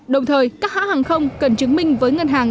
đồng thời các hãng hàng không cần chứng minh với ngân hàng